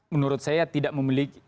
menurut saya tidak memiliki